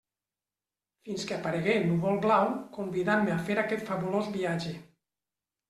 Fins que aparegué Núvol-Blau convidant-me a fer aquest fabulós viatge.